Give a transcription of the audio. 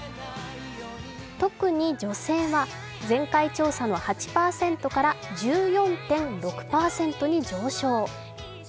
特に女性は前回調査の８％から１４．６％に上昇。